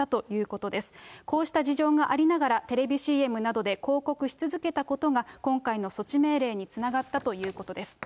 こうした事情がありながら、テレビＣＭなどで広告し続けたことが、今回の措置命令につながったということです。